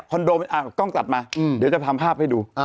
คอนโดอ้าวกล้องตัดมาเดี๋ยวจะทำภาพให้ดู